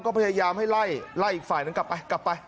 ก็พยายามให้ไล่ไล่อีกฝ่ายนั้นกลับไปกลับไป